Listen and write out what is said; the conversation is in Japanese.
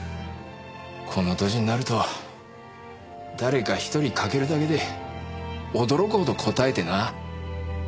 この年になると誰か１人欠けるだけで驚くほどこたえてな。